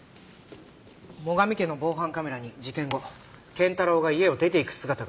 最上家の防犯カメラに事件後賢太郎が家を出ていく姿が映っていました。